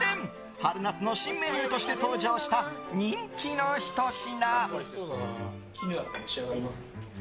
春夏の新メニューとして登場した人気のひと品。